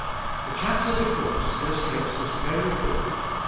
The chapter before us illustrates this very fully.